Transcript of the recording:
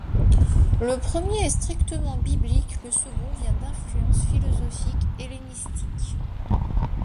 Le premier est strictement biblique, le second vient d'influences philosophiques hellénistiques.